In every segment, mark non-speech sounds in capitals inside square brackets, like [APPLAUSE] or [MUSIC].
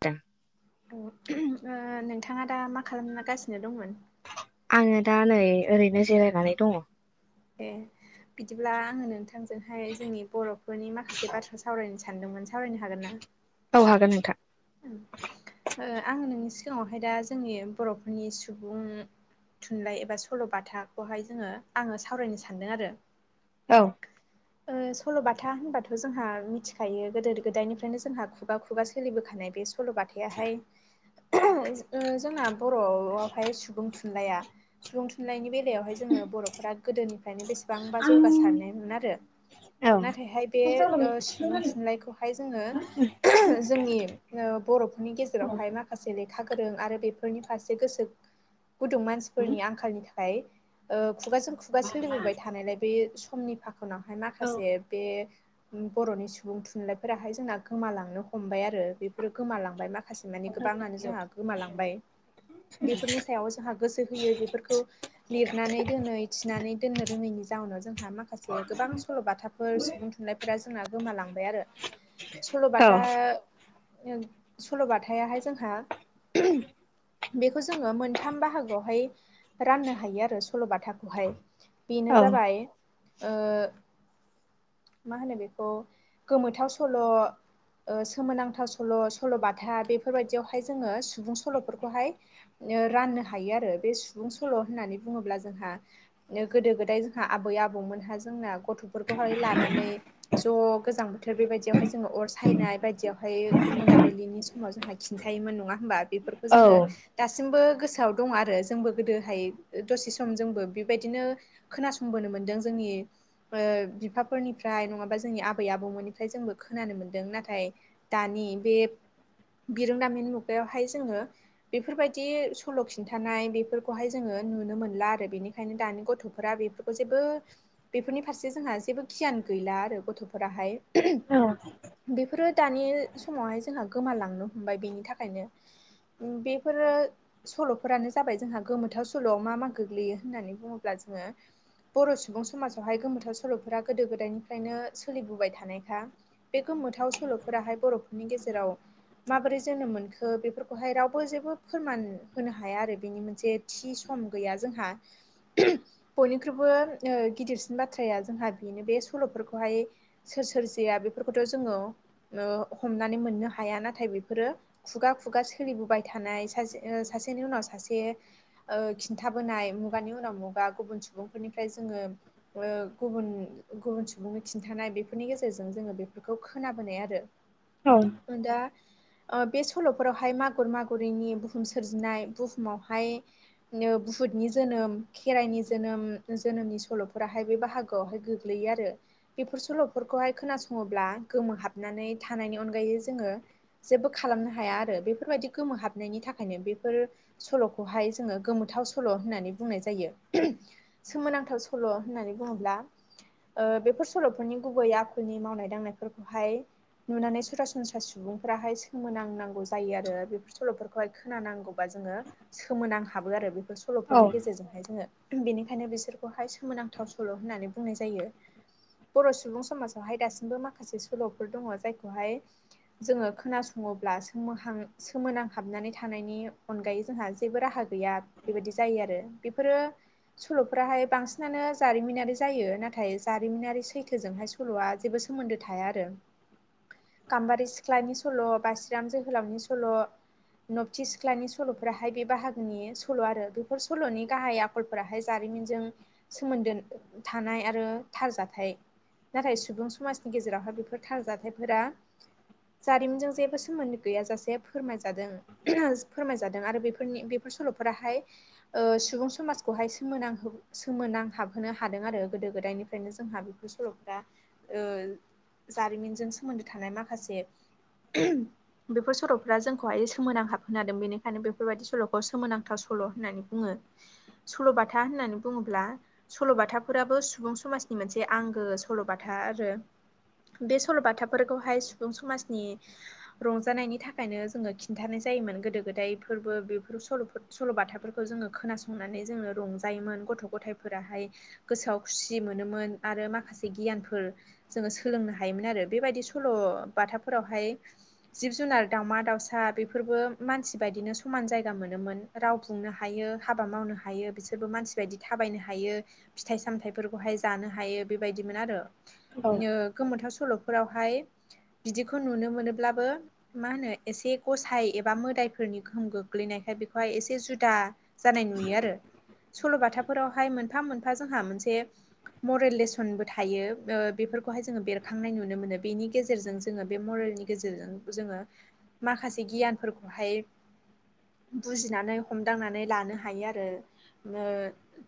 दे ओ नोंथाङा दा मा खालामगासिनो दंमोन आङो दा नै ओरैनो जिरायनानै दङ ए बिदिब्ला आङो नोंथांजोंहाय जोंनि बर'फोरनि माखासे बाथ्रा सावरायनोसो सानदोंमोन सावरायनो हागोनना औ हागोन नोंथां आं नोंनि सिगाङावहाय दा जोंनि बर'फोरनि सुबुं थुनलाइ एबा सल'बाथाखौहाय जोङो आङो सावरायनो सानदों आरो औ ओ सल'बाथा होनबाथ जोंहा मिथिखायो गोदो गोदायनिफ्रायनो जोंहा खुगा खुगा सोलिबोखानाय बे सल' बाथायाहाय जोंना बर'आवहाय सुबुं थु थुनलाया सुबुं थुनलाइनि बेलायावहाय जोङो बर' फोरा गोदोनिफ्रायनो बेसेबांबा जौगासारनायमोन आरो औ नाथायहाय बे ओ सुबुं थुनलाइखौहाय जोङो जोंनि बर'फोरनि गेजेरावहाय मा खासे लेखा गोरों आरो बेफोरनि फारसे गोसो गुदुं मानसिफोरनि आंखालनि थाखा य खुगाजों खुगा सोलिबोबाय थानायलाय बे समनि फाखोनावहाय माखासे बे बर'नि सुबुं थुनलाइफोराहाय जोंना गोमालांनो हमबाय आरो बेफोरो गोमालांबाय मा खासे मानि गोबाङानो जोंहा गोमालांबाय बेफोरनि सायाव जोंहा गोसो होयो बेफोरखौ लिरनानै दोनै थिनानै दोननो रोङैनि जाउनाव जोंहा माखासे गोबां सल'बाथाफोर सुबुं थुनलाइफोरा जोंना गोमालांबाय आरो सल'बाथा औ सल'बाथायाहाय जोंहा बेखौ जोङो मोनथाम बाहागोआवहाय राननो हायो आरो सल'बाथाखौहाय बेनो औ जाबाय ओ मा होनो बेखौ गोमोथाव सल' ओ सोमोनांथाव सल' सल' बाथा बेफोरबायदियावहाय जोङो सुबुं सल'फोरखौहाय ओ राननो हायो आरो बे सुबुं सल' होननानै बुङोब्ला जोंहा गोदो गोदाय जोंहा आबै आबौमोनहा जोंना गथ'फोरखौहाय लानानै ज गोजां ओमफ्राय बेबायदियावहाय जोङो अर सायनाय बायदियावहाय मोनाबिलिनि समाव जोंहा खिन्थायोमोन नङा होमबा बेफोर खौ औ जोङो दासिमबो गोसोआव दं आरो जोंबो गोदोहाय दसे सम जोंबो बेबायदिनो खोनासंबोनो मोन्दों जोंनि ओ बिफाफोरनिफ्राय नङाबा जोंनि आबै आबौमोननिफ्राय जोंबो खोनानो मोन्दों नाथाय दानि बे बिरोंदामिन मुगायावहाय जोङो बेफोरबायदि सल' खिन्थानाय बेफोरखौहाय जोङो नुनो मोनला आरो बेनिखायनो दानि गथ'फोरा बे खौ जेबो बेफोरनि फारसे जोंहा जेबो गियान गैला आरो गथ'फोराहाय औ बेफोरो दानि समावहाय जोंहा गोमालांनो हमबाय बेनि थाखायनो बेफोरो सल'फोरानो जाबाय जोंहा गोमोथाव सल'आव मा मा गोग्लैयो होननानै बुङोब्ला जोङो बर' सुबुं समाजावहाय गोमोथाव सल'फोरा गोदो गोदायनिफ्रायनो सोलिबोबाय थानायखा बे गोमोथाव सल'फोराहाय बर'फोरनि गेजेराव माबोरै जोनोम मोनखो बेफोरखौहाय रावबो जेबो फोरमान होनो हाया आरो बेनि मोनसे थि सम गैया जोंहा बयनिख्रुइबो गिदिर सिन बाथ्राया जोंहा बेनो बे सल'फोरखौहाय सोर सोर जया बेफोरखौथ' जोङो ओ हमनानै मोननो हाया नाथाय बेफोरो खुगा खुगा सोलिबोबाय थानाय सासे सासेनि उनाव सासे ओ खिन्थाबोनाय मुगानि उनाव मुगा गुबुन सुबुंफोरनिफ्राय जोङो गुबुन गुबुन सुबुंनि खिन्थानाय बेफोरनि गेजेरजों जोङो बेफोरखौ खोनाबोनाय आरो [INAUDIBLE] औ दा ओ बे सल'फोरावहाय मागुर मागुरिनि बुहुम सोरजिनाय बुहुमावहाय बुतनि जोनोम खेराइनि जोनोम जोनोमनि सल' फोराहाय बे बाहागोआवहाय गोग्लैयो आरो बेफोर सल'फोरखौहाय खोनासङोब्ला गोमोहाबनानै थानायनि अनगायै जोङो जेबो खालामनो हाया आरो बेफोरबायदि गोमोहाबनायनि थाखायनो बेफोर सल'खौहाय जोङो गोमोथाव सल' होननानै बुंनाय जायो सोमोनांथाव स सल' होननानै बुङोब्ला ओ बेफोर सल'फोरनि गुबै आखुनि मावनाय दांनायफोरखौहाय नुनानै सरासनस्रा सुबुंफोराहाय सोमोनांनांगौ जायो आरो बेफोर सल'फोर खौहाय खोनांगौबा जोङो सोनां हाबो आरो बैफोर स सल'फोरनि गेजेरजोंहाय जोङो बेनिखायनो बिसोरखौहाय सोमोनांथाव सल' होननानै बुंनाय जायो बर' सुबुं समाजावहाय दासिमबो माखासे सल'फोर दङ जायखौहाय जोङो खोनासङोब्ला सोमोहां सोमोनांहाबनानै थानायनि अनगायै जोंहा जेबो राहा गैया बेबायदि जायो आरो बेफोरो सल'फ्राहाय बांसिन नानो जारिमिनारि जायो नाथाय जारिमिनारि सैथोजोंहाय सल'आ जेबो सोमोन्दो थाया आरो गाम्बारि सिख्लानि सल' बासिराम जोहोलावनि सल' नबथि सिख्लानि सल'फोराहाय बे बाहागोनि सल' आरो बेफोर सल'नि गाहाय आ आखलफोराहाय जारिमिनजों सोमोन्दो थानाय आरो थारजाथाइ नाथाय सुबुं समाजनि गेजेरावहाय बेफोर थारजाथाइफोरा जारिमिनजों जेबो सोमोन्दो गैयाजासे फोरमायजादों फोरमायजादों आरो बेफोरनि बेफोर सल'फोराहाय ओ सुबुं समाजखौहाय सोमोनांहो सो सोमोनां हाबहोनो हादों आरो गोदो गोदायनिफ्रायनो जोंहा बेफोर सल'फोरा ओ जारिमिनजों सोमोन्दो थानाय माखासे बेफोर सल'फ्रा जोंखौहाय सोमोनांहाब होनो हादों बेनिखायनो बेफोरबायदि सल'खौ सोमोनांथाव सल' होननानै बुङो सल'बाथा होननानै बुङोब्ला सल'बाथाफोराबो सुबुं समाजनि मोनसे आंगो सल'बाथा आरो बे सल'बाथाफोरखौहाय सुबुं समाजनि रंजानायनि थाखायनो जोङो खिन्थानाय जायोमोन गोदो-गोदायफोरबो बेफोर सल'फोर सल'बाथाफोरखौ जोङो खोनासंनानै जोङो रंजायोमोन गथ'। गथ' गथायफोराहाय गोसोआव खुसि मोनोमोन आरो माखासे गियानफोर जोङो सोलोंनो हायोमोन आरो बेबायदि सल' बाथाफोरावहाय जिब जुनार दावउमा दाउसा बेफोरबो मानसि बायदिनो समान जायगा मोनोमोन। राव बुंनो हायो हाबा मावनो हायो बिसोरबो मानसि बायदि थाबायनो हायो फिथाइ-सामथायाइफोरखौहाय जानो हायो बेबायदिमोन आरो औ गोमोथाव सल'फोरावहाय बिदिखौ नुनो मोनोब्लाबो। मा होनो एसे गसाइ एबा मोदायफोरनि गोहोम गोग्लैनायखाय बेखौहाय एसे जुदा जानाय नुयो आरो सल'बाथाफोरावहाय मोनफा मोनफा जोंहा मोनसे मरेल लेसनबो थायो बेफोरखौहाय जोङो बेरखांनाय नुनो मोनो बेनि गेजेरजों जोङो बे मरेलनि ओ गेजेरजों जोङो माखासे गियानफोरखौहाय बुजिनानै हमदांनानै लानो हायो आरो ओ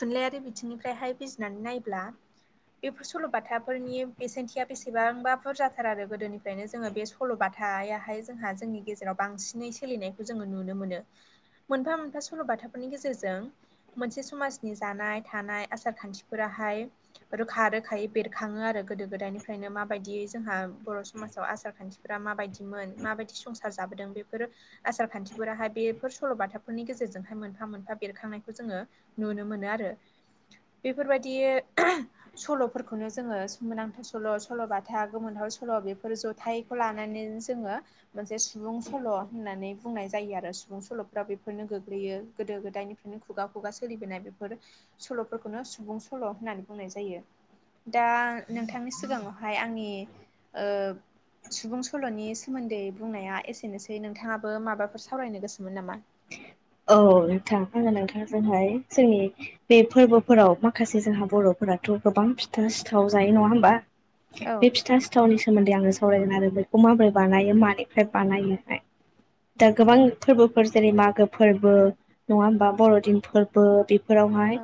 थुनलाइयारि बिथिंनिफ्रायहाय बिजिनानै नायोब्ला बेफोर सल'बाथाफोरनि बेसेनथिया बेसेबांबा बुरजाथार आरो गोदोनिफ्रायनो जोङो बे सल'बाथायाहाय जोंहा जोंनि गेजेराव बांसिनै सोलिनायखौ जोङो नुनो मोनो। मोनफा मोनफा सल'बाथाफोरनि गेजेरजों मोनसे समाज नि जानाय, थानाय, आसार, खान्थिफोराहाय रोखा रोखायै बेरखाङो आरो गोदो गोदायनिफ्रायनो माबायदियै जोंहा बर' समाजाव आसार खान्थि फोर्रा माबायदिमोन माबायदि संसार जाबोदों बेफोर आसार खान्थिफोराहाय बेफोर सल'बाथाफोरनि गेजेरजोंहाय मोनफा मोनफा बेरखांनायखौ जोङो नुनो मोनो आरो बेफोर बायदि ओ सल'फोरखौनो जोङो सोमोनांथाव, सल' सल'बाथा, गोमोनहाव सल' बेफोर जथाय खौ लानानै जोङो मोनसे सुबुं सल' होननानै बुंनाय जायो आरो सुबुं सल'फ्रा बेफोरनो गोग्लैयो गोदो-गोदायनिफ्राय खुगा खुगा सोलिबोनाय बेफोर सल'फोरखौनो सुबुं सल' होननानै बुंनाय जायो। दा नोंथांनि सिगाङावहाय आंनि ओ सुबुं सल'नि सोमोन्दै बुंनाया एसेनोसै नोंथाङाबो माबाफोर सावरायनो गोसोमोन नामा? औ नोंथां आङो नोंथां जोनहाय जोंनि। बे फोरबोफोराव माखासे जोंहा बर'फोराथ' गोबां फिथा सिथाव जायो नङा होमबा! औ बे फिथा सि सिथावनि सोमोन्दै आङो सावरायगोन आरो बेखौ माबोरै बानायो मानिफ्राय बानायो दा गोबां फोरबोफोर जेरै मागो फोरबो नङा होमबा बर'दिन फोरबो बेफोरावहाय औ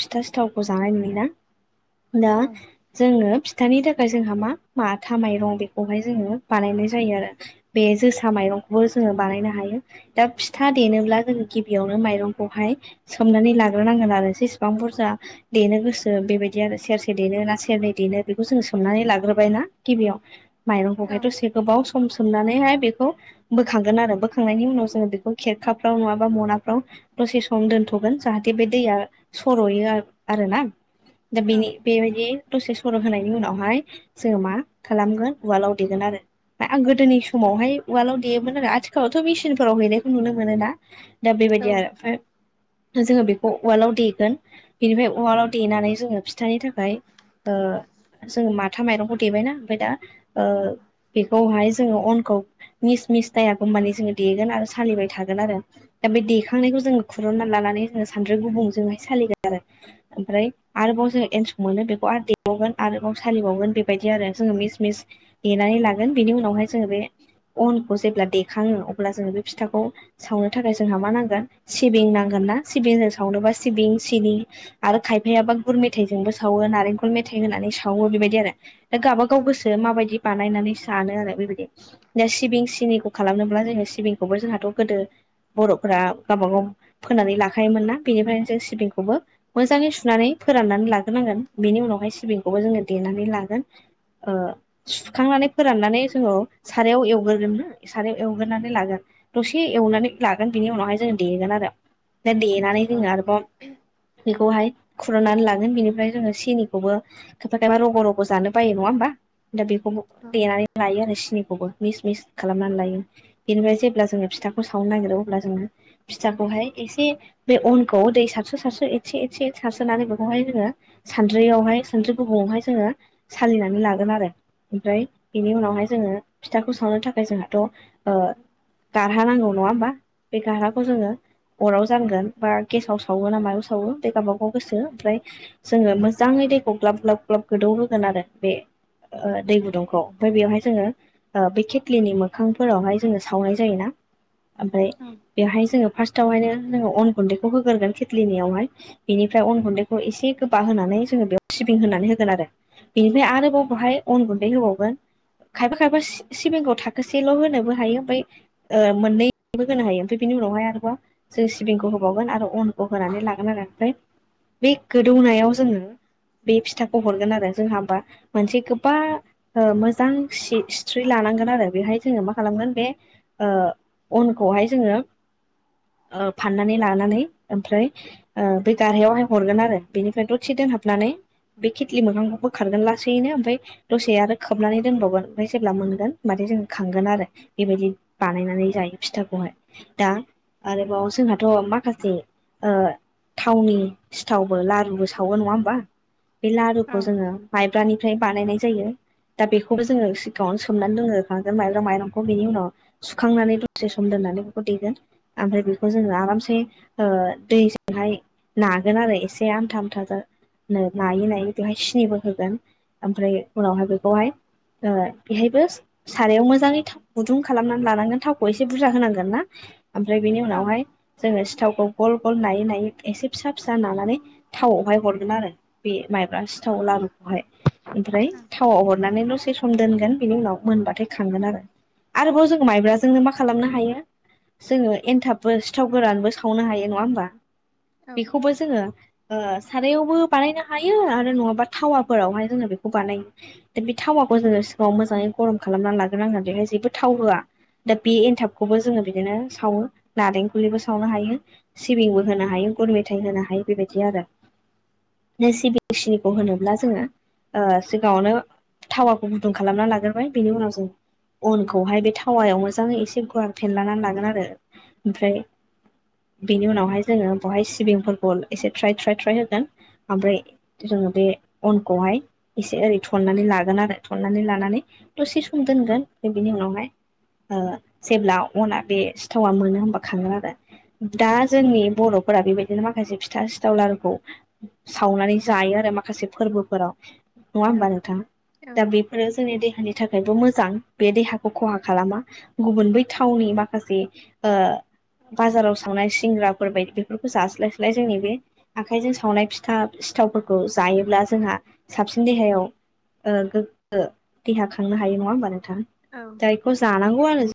फिथा सिथावखौ जानाय नुयोना दा औ जोङो। थानि थाखाय जोंहा मा मा थामा माइरं बेखौहाय जोङो बानायनाय जायो आरो। बे जोसा माइरंखौबो जोङो बानायनो हायो। दा फिथा देनोब्ला जोङो गिबियावनो माइरंखौहाय सोमनानै लाग्रोनांगोन आरो जसेबां बुरजा देनो गोसो बेबायदि आरो सेरसे देनो ना सेरनै देनो बेखौ जोङो सोंनानै लाग्रोबायना गिबियाव माइरंखौहायथसे गोबाव सम सोमनानैहाय बेखौ बोखांगोन आरो बोखांनायनि उनावस जोङो बेखौ खेरखाफ्राव नङाबा मोनाफ्राव दसे सम दोनथ'गोन जाहाथे बे दैया सर'यो आरो ना? दा औ बेनि बे बादि दसे सर' होनायनि उनावहाय जोङो मा खालामगोन उवालाव देगोन आरो। आं गोदोनि समावहाय उवालाव देयोमोन आरो आथिखालाव थ' मेसिन फोराव हैनायखौ नुनो मोनो दा दा औ बेबायदि आरो ओमफ्राय। जोङो बेखौ उवालाव देगोन बेनिफ्राय उवालाव देनानै जोङो। फिथानि थाखाय जोङो मा माथा माइरंखौ देबायना ओमफ्राय दा ओ बेखौहाय जोङो अनखौ मिस मिस जायागौ माने जोङो देगोन आरो सालिबाय थागोन आरो। दा बे देखांनायखौ जोङो खुरन्ना लानानै जोङो सानद्रि गुबुंजोंहाय सालिगोन आरो ओमफ्राय आरोबाव जोङो एन्सक मोनो बेखौ आरो देबावगोन आरोबाव सालिबावगोन बेबायदि आरो जोङो मिस मिस देनानै लागोन बिनि उनावहाय जोङो बे अनखौ जेब्ला देखाङो अब्ला जोङो बे फिथाखौ सावनो थाखाय जोंहा मा नांगोन सिबिं नांगोन ना सिबिंजों सावनोबा सिबिं सिनि आरो खायफायाबा गुर मेथाइजोंबो सावो नारेंखल मेथाइ होनानै सावो बेबायदि आरो दा गावबा गाव गोसो माबायदि बानायनानै सानो आरो बेबायदि सिबिं सिनिखौ खालामनोब्ला जोङो सिबिंखौबो जोंहाथ' गोदो बर'फोरा गावबा गाव फोननानै लाखायोमोन ना बेनिफ्रायनो जों सिबिंखौबो मोजाङै सुनानै फोराननानै लाग्रोनांगोन बेनि उनावहाय सिबिंखौबो जोङो देनानै लागोन। ओ सुखांनानै फोराननानै जोङो सारायाव एवगोरोगोन सारायाव एवगोरोनानै लागोन दसे एवनानै लागोन बिनि उनावहाय जों देगोन आरो। देनानै औ जोङो आरोबाव बेखौहाय खुरनानै लागोन बिनिफ्राय जोङो सिनिखौबो खायफा खायफा रग' रग' जानो बायो नङा होमबा? दा बेखौबो औ देनानै लायो आरो सिनिखौबो मिस मिस खालामनानै लायो। बेनिफ्राय जेब्ला जोङो फिथाखौ सावनो नागिरो अब्ला जोङो फिथाखौहाय एसे बे अनखौ दै सारसो सारसो एसे एसे सारसोनानै बेखौहाय जोङो सानद्रियावहाय सानद्रि गुबुंयावहाय जोङो सालिनानै लागोन आरो ओमफ्राय बेनि उनावहाय जोङो फिथाखौ सावनो थाखाय जोंहाथ' ओ गारहा नांगौ नङा होमबा बे गारहाखौ औ जोङो अराव जानगोन बा गेसाव सावो ना मायाव सावो बे गावबागाव गोसो ओमफ्राय जोङो मोजाङै दैखौ ग्लाब ग्लाब ग्लाब गोदौहोगोन आरो बे दै गुदुंखौ ओमफ्राय बेवहाय जोङो बे खेथ्लिनि मोखां फोरावहाय जोङो सावनाय जायोना ओमफ्राय औ बेवहाय जोङो फार्स्टआवहायनो जोङो अन गुन्दैखौ होग्रोगोन खेथ्लिनियावहाय बेनिफ्राय अन गुन्दैखौ एसे गोबा होनानै जोङो बेयाव सिबिं होनानै होगोन आरो। बेनिफ्राय आरोबाव बहाय अन गुन्दै होबावगोन खायफा खायफा सि सि सिबिंखौ थाखोसेल' हो नोबो हायो ओमफ्राय मोननैबो होनो हायो ओमफ्राय बिनि उनावहाय आरोबा जों सिबिंखौ होबावगोन आरो अनखौ होनानै लागोन आरो ओमफ्राय बे गोदौनायाव जों बे फिथाखौ हरगोन आरो जोंहा बा मोनसे गोबबा मोजां खुसि सिथ्रि लानांगोन आरो बेहाय जोङो मा खालामगोन बे ओ अनखौहाय जोङो ओ फाननानै लानानै ओमफ्राय ओ बे गारहायावहाय हरगोन आरो बेनिफ्राय दसे दोनहाबनानै बे खिथलि मोखांखौ बोखारगोन लासैनो ओमफ्राय दसे आरो खोबनानै दोनबावगोन ओमफ्राय जेब्ला मोनगोन होमबाथाय जों खांगोन आरो। बेबायदि बानायनानै जायो फिथाखौहाय। दा आरोबाव जोंहाथ' माखासे ओ थावनि सिथावबो लारुबो सावो नङा होमबा बे औ लारुखौ जोंङो माइब्रानिफ्राय बानायनाय जायो दा बेखौबो जोंङो सिगाङावनो सोमनानै दोनग्रोखागोन माइब्रा माइरं अ बेनि उनाव सुखांनानै दसे सम दोननानै बेखौ देगोन ओमफ्राय बेखौ जोंङो आरामसे ओ दैजोंहाय नागोन आरो एसे आमथा आमथा‌ जा नायै नायै बेवहाय सिनिबो होगोन ओमफ्राय उनावहाय बेखौहाय ओ बेहायबो सारायाव मोजाङै थाव गुदुं खालामनानै लानांगोन थावखौ एसे बुरजा होनांगोन ना ओमफ्राय बेनि उनावहाय औ जोंङो सिथावखौ गल गल नायै नायै एसे फिसा फिसा नानानै थावआवहाय हरगोन आरो बे माइब्रा सिथाव लारुखौहाय। ओमफ्राय थावाव हरनानैल' से सम दोनगोन बेनि उनाव मोनबाथाय खांगोन आरो। आरोबाव जोंङो माइब्राजोंनो मा खालामनो हायो। जोंङो एन्थाबबो सिथाव गोरानबो सावनो हायो नंङा होमबा औ बेखौबो जोंङो ओ सारायावबो बानायनो हायो आरो नंङाबा थावाफोरावहाय जोंङो बेखौ बानायो। दा बे थावाखौ जोंङो सिगाङाव मोजाङै गरम खालामनानै लाग्रो नांगोन। बेहाय जेबो थाव होआ दा बे एनथाबखौबो जोङो बिदिनो सावो नारेंखुलनिबो सावनो हायो। सिबिंबो होनो हायो। गुर मेथाइ होनो हायो बेबायदि आरो। नो सिबिं सिनिखौ होनोब्ला जोंङो ओ सिगाङावनो थावाखौ गुदुं खालामना लाग्रोबाय बेनि उनाव जों अनखौहाय बे थावायाव मोजांङै एसे गुवार फेनलानानै लागोन। आरो ओमफ्राय बेनि उनावहाय जोंङो बहाय सिबिंफोरखौ एसे थ्रायथ्राय थ्राय होगोन ओमफ्राय जोङो बे अनखौहाय एसे ओरै थननानै लागोन आरो थननानै लानानै दसे सम दोनगोन बिनि उनावहाय ओ जेब्ला अना बे सिथावा मोनो होमबा खांङो आरो दा जोंनि बर'फोरा बेबायदिनो माखासे फिथा सिथाव लारुखौ सावनानै जायो आरो माखासे फोरबोफोराव नङा होमबा नोंथांङा दा औ बेफोरो जोंनि देहानि थाखायबो मोजां। बे देहाखौ खहा खालामा। गुबुन बै थावनि माखासे ओ बाजाराव सावनाय सिंग्राफोर बायदि बेफोरखौ जास्लायस्लाय जोंनि बे आखाइजों सावनाय फिथा सिथावफोरखौ जायोब्ला जोंहा साबसिन देहायाव ओ गोगो देहा खांनो हायो नङा होमबा नोंथां? औ खौ जानांगौ आरो।